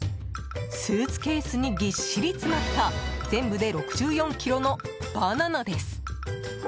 スーツケースにぎっしり詰まった全部で６４ｋｇのバナナです。